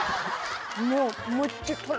もう。